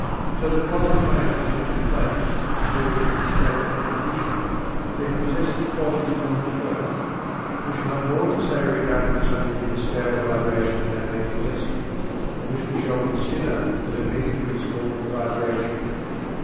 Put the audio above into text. So that while a plane is not "a place," nor yet "a state or condition," yet it possesses qualities common to both. We shall have more to say regarding the subject of the scale of Vibrations in our next lessons, in which we shall consider the Hermetic Principle of Vibration.